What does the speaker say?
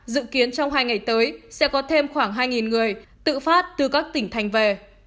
dự kiến trong hai ngày tới sẽ có thêm khoảng hai người tự phát từ các tỉnh thành về